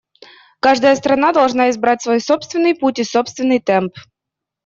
Каждая страна должна избрать свой собственный путь и собственный темп.